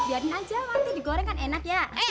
biarin aja nanti digoreng kan enak ya